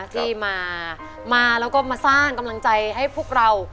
ที่มาแล้วก็มาสร้างกำลังใจให้พวกเรา